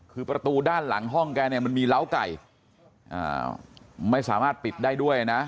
คือประตูด้านหลังห้องแกเนี่ยมันมีเล้าไก่ไม่สามารถปิดได้ด้วยนะ